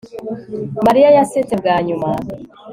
Mariya yasetse bwa nyuma